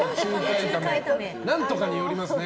何とかによりますね。